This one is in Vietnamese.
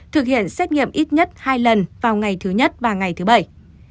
thực hiện xét nghiệm ít nhất hai lần vào ngày thứ nhất và ngày thứ bảy